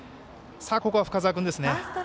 ここは深沢君ですね。